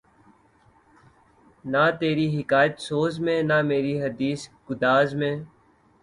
نہ تری حکایت سوز میں نہ مری حدیث گداز میں